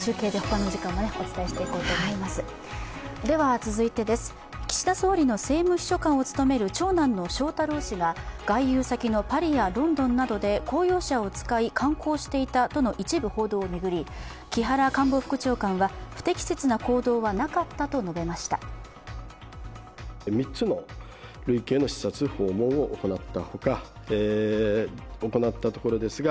続いて、岸田総理の政務秘書官を務める長男の翔太郎氏が外遊先のパリやロンドンなどで公用車を使い観光していたとの一部報道を巡り、木原官房副長官は、不適切な行動はなかったと述べました。